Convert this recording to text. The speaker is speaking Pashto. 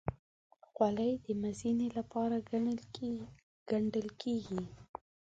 خولۍ د مزینۍ لپاره ګنډل کېږي.